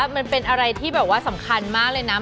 มันเป็นอะไรที่แบบว่าสำคัญมากเลยนะ